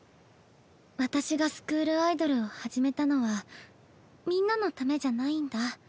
私がスクールアイドルを始めたのはみんなのためじゃないんだ。